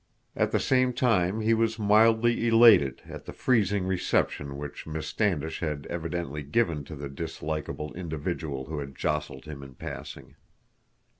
At the same time he was mildly elated at the freezing reception which Miss Standish had evidently given to the dislikable individual who had jostled him in passing.